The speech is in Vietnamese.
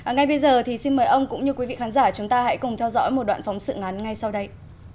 ngay bây giờ thì xin mời ông cũng như quý vị khán giả chúng ta hãy cùng theo dõi một đoạn phóng sự ngắn ngay sau đây